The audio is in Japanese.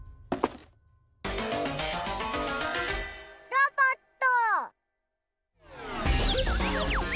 ロボット！